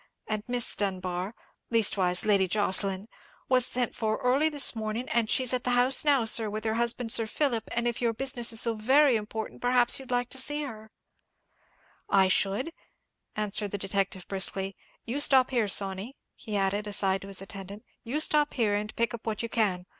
And Miss Dunbar—leastways Lady Jocelyn—was sent for early this morning, and she's at the house now, sir, with her husband Sir Philip; and if your business is so very important, perhaps you'd like to see her——" "I should," answered the detective, briskly. "You stop here, Sawney," he added, aside to his attendant; "you stop here, and pick up what you can.